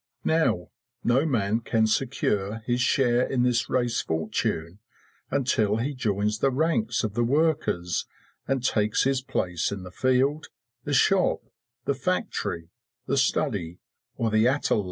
Now, no man can secure his share in this race fortune until he joins the ranks of the workers and takes his place in the field, the shop, the factory, the study, or the atelier.